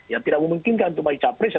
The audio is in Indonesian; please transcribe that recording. yang tidak memungkinkan untuk mahi capres